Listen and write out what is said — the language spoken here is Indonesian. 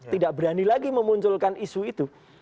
tidak berani lagi memunculkan isu itu